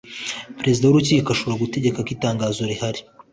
perezida w urukiko ashobora gutegeka ko itangazo rihari